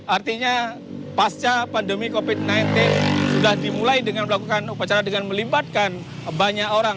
artinya pasca pandemi covid sembilan belas sudah dimulai dengan melakukan upacara dengan melibatkan banyak orang